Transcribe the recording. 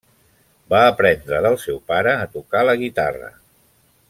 Va aprendre del seu pare a tocar la guitarra.